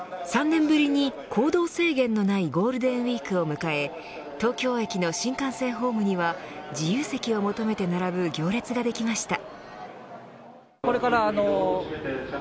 ３年ぶりに行動制限のないゴールデンウイークを迎え東京駅の新幹線ホームには自由席を求めて並ぶ行列ができました。